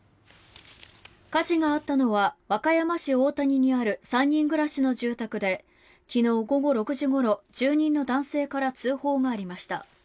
火事があったのは和歌山市大谷にある３人暮らしの住宅で昨日午後６時ごろ男性から通報がありました。